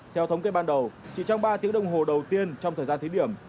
theo thống kê ban đầu chỉ trong ba tiếng đồng hồ đầu tiên trong thời gian thí điểm